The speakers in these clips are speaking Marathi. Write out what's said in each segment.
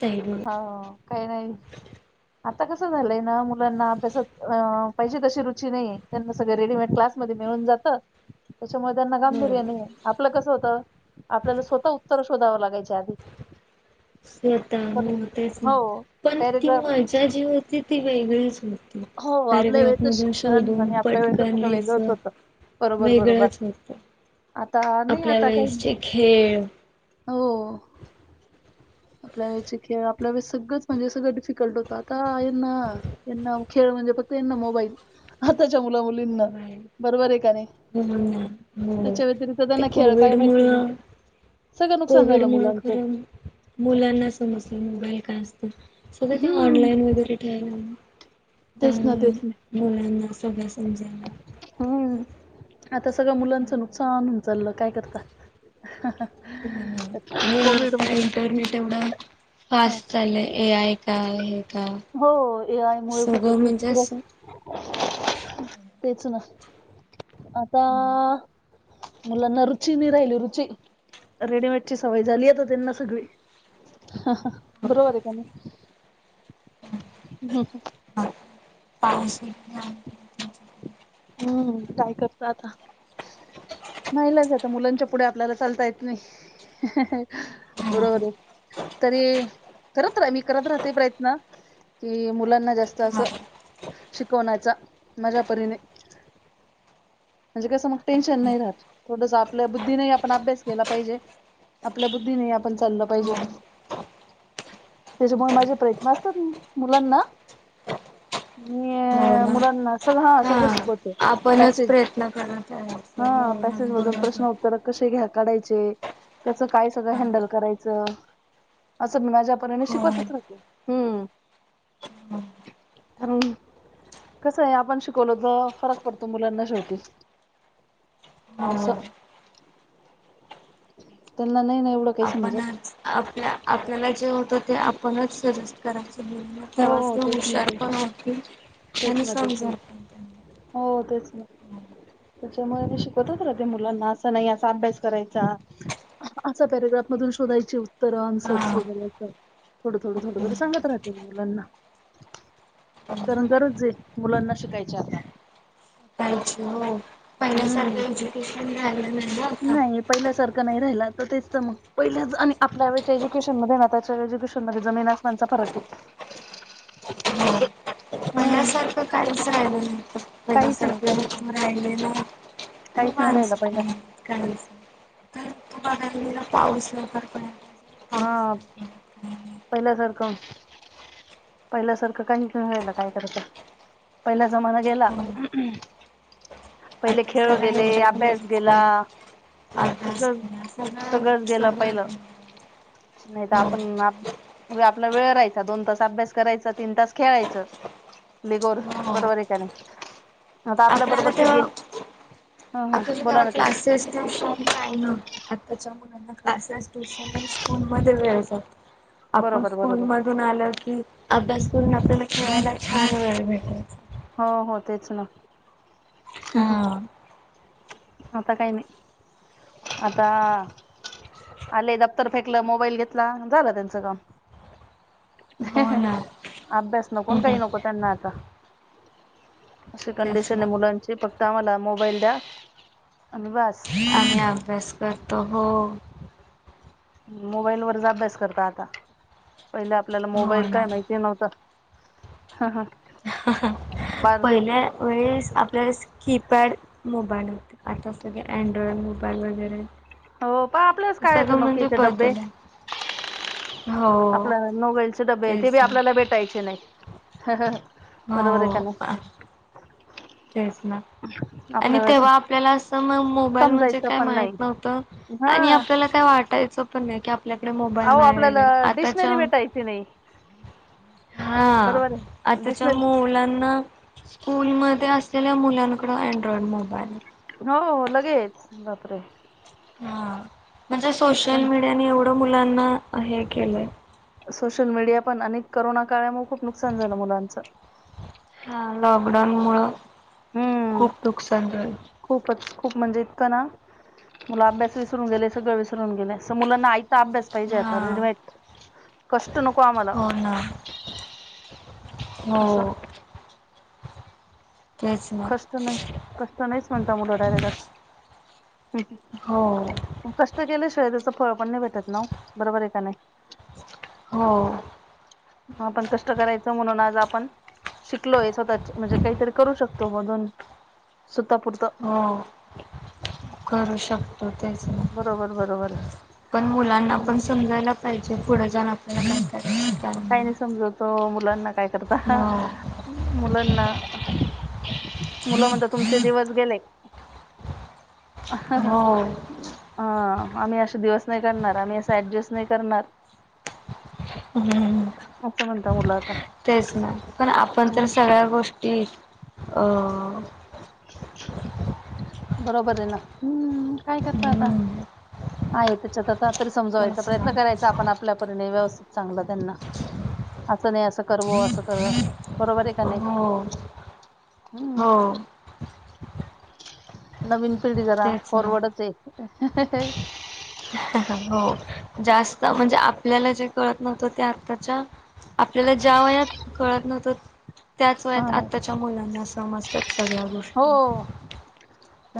ताई बघ हा काही नाही. आता कसं झालंय ना मुलांना अभ्यासात पाहिजे तशी रुची नाही त्यांना सगळ रेडीमेड क्लासमध्ये मिळून जात त्याच्यामुळे त्यांना गाम हो बिर्याणी आपलं कस होत, आपल्याला स्वतः उत्तर शोधावं लागायचे आधी. बरं स्वतःतेच हो नाही पण ती पॅरेग्राफ मजा जी होती ती वेगळीच होती. हो आपल्या पॅरेग्रॉफ वेळचं मधून शिक्षण शोधून आणि आपल्या वेळचं पटकन सगळं वेगळंच लिहायचं. होतं बरोबर बरोबर वेगळंच होत, आता नाही आपल्या आता काही नाही वेळेसचे खेळ हो. आपल्या वेळेचे खेळ आपल्या वेळे सगळंच म्हणजे सगळं डिफिकल्ट होतं. आता यांना यांना खेळ म्हणजे फक्तना मोबाईल आताच्या मुला मुलींना, मोबाईल बरोबर आहे का नाही? हो हो त्याच्या व्यतिरिक्त ते त्यांना खेळ कोविड काय मुळ माहिती नाही सगळं नुकसान कोविड झालं मु मुलांचं खरं मुलांना समजलं मोबाईल का असत. सगळं ते हम्म ऑनलाईन वगैरे ठेवल्या तेच त्यांना ना तेच ना मुलांना सळ्या हम्म आता सगळ्या मुलांचं नुकसान चाललं काय करतात. आणि आता इंटरनेट एवढं हा फास्ट चालंय ए आय त्यावर हे का हो ए आय मुळे सगळं खूपच म्हणजे विचित्र असं तेच ना आता मुलांना रुची नाही राहिली रुची! रेडीमेड ची सवय झाली यता त्यांना सगळी. ह हा, बरोबर आहे की नाही? [inaudible] पाऊस येत नाही. हम्म, काय करता आता नाईलाज आहे आता मुलांच्या पुढे आपल्याला चालता येत नाही. बरोबर तरी करत राहा मी करत राहते प्रयत्न, की मुलांना जास्त असं शिकवण्याचा. माझ्या परीने! म्हणजे कसं मग टेन्शन नाही राहत थोडस आपल्या बुद्धी नाही आपण अभ्यास केला पाहिजे. आपल्या बुद्धीने आपण चाललं पाहिजे. हो त्याच्यामुळे माझे प्रयत्न असतात मुलांना मी ना मुलांना सगळं हा सगळं शिकवते. आपणच पॅसेज प्रयत्न करत यायच हा हो पॅसेज मधून बरोबर. प्रश्न उत्तर कसे घ्या काढायचे कसं काय सगळं हा हँडल करायचं असं मी माझ्यापर्यने हो शिकवतच राते हम्म. कारण कस आहे आपण शिकवल तर फरक पडतो मुलांना शेवटी. असं. हो त्यांना नाही ना एवढं काही समजत आपणच आपल्या आपल्याला जे होत ते आपणच करायचं तेव्हाच हो ते तेच ना हुशार ते पण होतील तेच आणि ना तेच ना समजल पण त्यांना हो तेच ना. त्याच्यामुळे म शिकतच राहते मुलांना असं नाही असा अभ्यास करायचा असं शोधायचे उत्तर आनसर्स हा वगैरे थोडं थोडं थोड बर सांगत राहते मी मुलांना. कारण [unintelligible] गरज आहे मुलांना शिकायची आता पाहिजे हो हम्म [unintelligible] नाही पहिल्या सारख नाही राहि तर तेच पहि आपल्या एज्युकेशन नाच्या एज्युकेशन मध्ये जमीन आसमान चा फरक हो. [unintelligible] पहिल्यासारखं काहीच राहिलं नाही काहीच नाही पहिल्यासारखं काहीच नाही लून राहिले ना ना काहीच नाही मानस राहिलं पहिला ना काहीच [unintelligible] हा नाही पडत काही नाही. पहिल्या सारखं पहिल्यासारखं का निघून व्हायला काय करता. पहिला जमाना गेला हो ना. पहिले आता खेळ सगळा गेले अभ्यास गेला इंटरनेटचा अभ्यास सगळं सगळंच गेलं पहिलं [unintelligible] नाही तर आपण आपला वेळ राहायचा दोन तास अभ्यास करायचा तीन तास खेळायचं लिगोर हो. बरोबर एने आता आपल्या आपल्याला बरोबरचे गे तेव्हा हा हा. आपल्याला तेव्हा क्लासेस नव्हता आणि काही नव्हतं आताच्या मुला आता क्लासेस ट्युशन आणि स्कूल मध्ये वेळ जातो आपण बरोबर स्कूल बरोबर मधून आल की अभ्यास पूर्वी आपल्याला खेवायला वेळ भेटायचा हो हो तेच ना. हा. आता काय नाही आता आले दफ्तर फेकलं मोबाईल घेतला झालं त्यांचं काम. हो ना. अभ्यास नको अन काही नको त्यांना आता. अशी तेच ना. कंडिशन आहे मुलांची फक्त आम्हाला मोबाईल द्या अन बास. आम्ही अभ्यास करतो हो. मोबाईल वरच अभ्यास करता आता, पहिले आपल्याला हो मोबाईल ना. काय माहिती नव्हता. हा हा. पहिल्या वेळेस आपल्याला स्किपॅड मोबल [unintelligible] आता सगळे अँड्रॉईड मोबाईल वैगरे हो प आपलेच काय [unintelligible] नोककीचे डब्बे. बदल आहे. हो आपलं नोबाईलचे डब्बे ते तेच बी ना. आपल्याला भेटायचे नाही. हो. बरोबर आहे का नाही तेच ना आणि आपल्या वेळेस तेव्हा आपल्याला असं मंग.... मोबाईल म्हणजे समजायचं काय पण नाही माहित नव्हतं. हा आणि आपल्याला काय वाटायचं पण नाही कि आप.... आपल्याकडे मोबाईल अहो नाही आपल्याला वगैरे आताच्या... डिक्शनरी भेटायची नाही हा बरोबर आहे आताच्या डिक्शनरी मुलांना स्कूल मधे अस.... मुलांकडं अँड्रॉइड मोबाईल... हो लगेच बापरे... हा म्हणजे सोशल मीडियाने एवढं मुलांना हे केलंय... सोशल मीडिया पण आणि करोना काळामुळे खूप नुकसान झालं मुलांचं.... हा लॉकडाऊन मुळ हम्म खूप नुकसान झाल... खूपच खूप म्हणजे इतकं ना.... मुलं अभ्यास विसरून गेले. सगळं विसरून गेले. सं मुलांना आई... आता अभ्यास पाहिजे आता. हा रेडीमेड, कष्ट नको आम्हाला.... हो ना. हो... असं तेच ना कष्ट नाही कष्ट नाहीच म्हणता मुलं डायरेक्ट आता.... ह हो कष्ट केल्याशिवाय त्याच फळ पण नाही भेटत ना हो. बरोबर आहे का नाही.... हो. आपण कष्ट करायचं म्हणून आज आपण शिकलोय स्वतःच म्हणजे काहीतरी करू शकतो मधून... स्वतः पुरतं.... हो करू शकतो त्याचं बरोबर बरोबर पण मुलांना आहे पण समजायला... पाहिजे पुढे जाण आपल्याला... करायचं काय काही नाही समजत वो मुलांना काय करता. हो मुलांना... मुलं म्हणत तुमचे दिवस गेले... ह ह हो ह.... आम्ही असा दिवस नाही करणार. आम्ही असं ऍडजस्ट नाही करणार... हम् असं म्हणता मुलं आता तेच ना पण आपण तर सगळ्या गोष्टी... अं.... बरोबर आहे ना. हम्म काय करत आता.... हम्म आहे त्याच्यात आता तरी समजावायचा तेच ना प्रयत्न करायचा आपण आपल्यापरीने व्यवस्थित चांगलं.... त्यांना असं नाही असं करव असं कर बरोबर आहे का नाही... हो हो हम्म नवीन.... पिढी जरा तेच ना फॉरवर्डचये.... हो जास्त म्हणजे आपल्याला जे कळत नव्हतं ते आत्ताच्या... आपल्याला ज्या वयात कळत नव्हतं.. त्याच हा वयात आताच्या मुलांना समजतायत सगळ्या गोष्टी...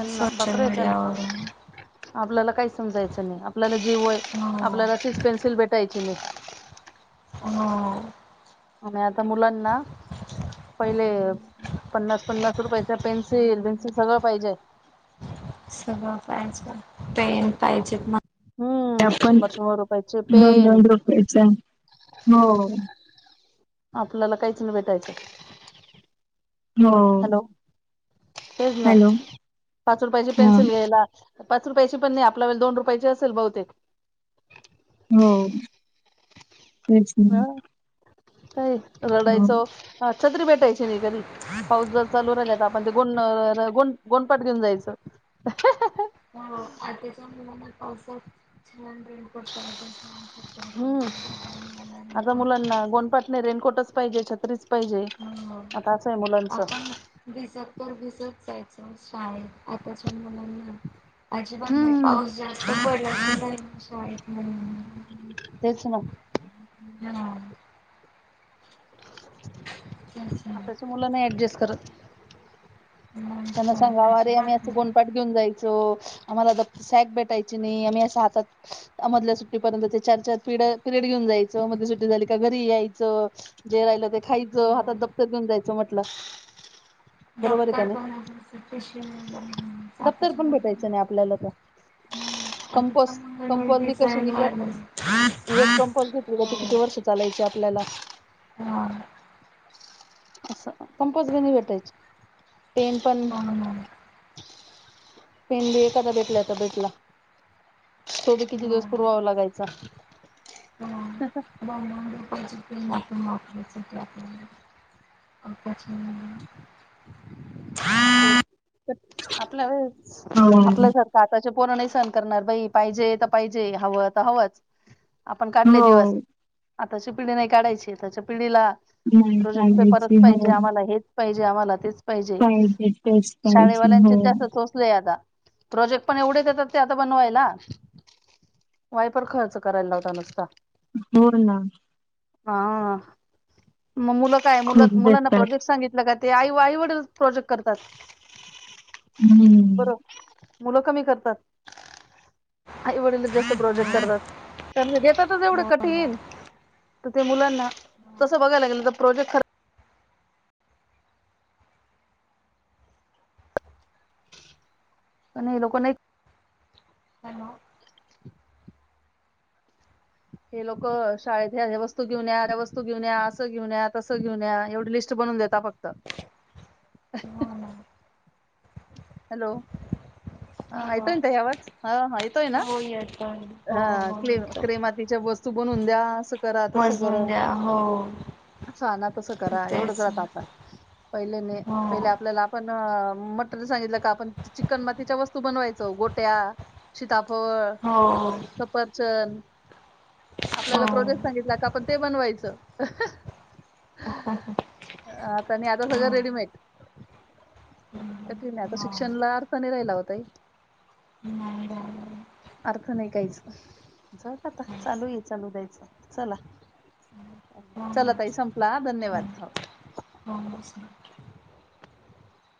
सोशल बापर मीडियावरून ना आपल्याला काही समजायचं नाही. आपल्याला... जी वही हो आपल्या सिश पेन्सिल भेटायची नाही... ह.. आणि आता मुलांना पहिले पन्नास पन्नास... पाहि पन्सिल पेन्सिल सगं पाहिजे.. सगळं पाहिजे पेन पाहिजेत मग... हम्म आपण शंभर शंभर रुपयाचे दोन पेन दोन रुपेच हो... आपल्याला काहीच नाही भेटायचं... हॅलो तेच ना पाच रुपयाची पेन्सिल घ्यायला.. पाच रुपयाची पण नाही आपल्या व दोन रुपयाची असेल बहुतेक.. हो तेच नाही... का रडायचो छत्री भेटायची नाही कधी पाऊस जर चालू राहिल... पण ते गों गो गोंडपाठ घेऊन जायचं.. फ... म रेन कोठ पायजचझईन हम्म मला रेन आता मुलांना कोवाच... गोनपाट नाही रेनकोटच पाहिजे. छत्रीच पाहिजे ह आता असं आहे मुलांचं आपण भिजत तर भिजत जायच. काय आताच्या मुला नाही. अजिबात मा हम्म पाऊस जास्त पडला शाळेत महि ते हम्म तेच ना आताच्या मुलं नाही ऍडजस्ट करत. मग त्यांना काय सांगा म रे आम्ही अजिबात असं नाही. कोणपाठ घेऊन जाय आम्हाला सॅक भेटायची नाही आम्ही हात मधल्या सुट्टी पर्यंत चार चार पि पिरयड घेऊन जायच मध्ये सु झाली का घरी यायचं जे राहि खायचं हो हातात दप्तर घेऊन जायचं म्हटलं. डॉक् बरोबर आहे प का नाही कंपस कंपल् बी कशी डिझाईन वाढलं ह कंपल्स घेतली त किती क चालायचे आपल्याला ह असं कमपोस् बी नाही भेटायची पेन पण हो पेन बी एखादा भेटला तर भेटला. तोभी किती ना दिवस पूर्वाव लागायचा. ज अ ते आपल्या हो आपल्यासारख आताच्या पोर नाही सहण करणार बाई पाहिजे तर पाहिजे हवं तर हवंच आपण काढले हो दिवस आताची पिढी नाही काढायची आ त्याच्या पिढीला नाही प्रोजेक्ट पेपररच पाहिजे पाहिजे हो आम्हाला हेच पाहिजे आम्हाला तेच पाहिजे. तेच पाहिजे शाळेवाल्यांचे हो जास्त चोचले. प्रोजेक्ट पण एवढे देतात ते आता बनवायला. वायपर खर्च करायला लावता नुसता. हो ना. हा मग मुलं काय मुलं खूप मुलांना देतात प्रोजेक्ट सांगितलं का. ते आई आई वडील प्रोजेक्ट करतात हम्म बरोबर मुलं कमी करतात. आई वडील जास्त प्रोजेक्ट करतात त्या घेतात तर तेवढं कठीण ते मुलांना तसं बघायला गेलं तर प्रोजेक्ट खर प लो नाही [unintelligible] हॅलो, हे लोकं, शाळेत ह्या, ह्या वस्तू घेऊन या, त्या वस्तू घेऊन या, असं घेऊन्या, तसं घेऊन एवढी लीस्ट बनून देेता फक्त. हो ना हॅलो. हा हॅलो येतोय ना ताई आवाज, हा हा येतोय ना हो येतोय हो हा हो क येतोय क्रेमातीच्या बोसऽऽ तू बनून द्या, असं करा, तसं करा. मजवून द्या हो ‌ ना तसं करा एवढंच तेच राहतं ना आता, पहिले नै, हो पहिले आपल्याला आपणऽ मटर सांगितलं का आपण चिकन मातीच्या वस्तू बनवायचो, गोट्या, सीताफळ, हो सफरचंद हो आपल्याला हो प्रोजेक्ट सांगितला का आपण ते बनवायचं. आता नी आता सगळं रेडीमेडऽ क नाही आता शिक्षणाला अर्थ नाही राहिला ओ ताई हम् अर्थ नाही कायच, जाऊदे आता चालू ये चालू द्यायचं चला. चला ताई संपला हं, धन्यवाद हं हो बस. नक्की